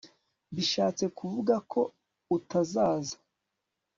bishatse kuvuga ko utazaza